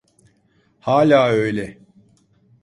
Hâlâ öyle.